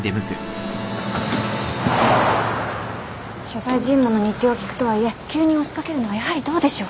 所在尋問の日程を聞くとはいえ急に押し掛けるのはやはりどうでしょう？